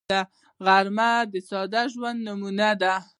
غرمه د ساده ژوند نمونه ده